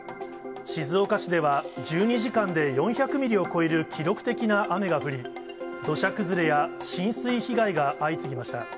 静岡市では、１２時間で４００ミリを超える記録的な雨が降り、土砂崩れや浸水被害が相次ぎました。